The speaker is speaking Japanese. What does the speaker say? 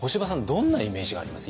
どんなイメージがあります？